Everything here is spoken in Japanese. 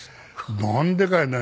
なんでかね